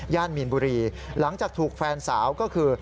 มีนบุรีหลังจากถูกแฟนสาวก็คือ